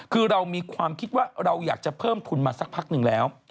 คือเรามีความคิดว่าเราอยากจะเพิ่มทุนมาสักพักหนึ่งแล้ว